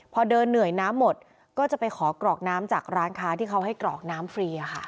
พอเดินเหนื่อยน้ำหมดก็จะไปขอกรอกน้ำจากร้านค้าที่เขาให้กรอกน้ำฟรีค่ะ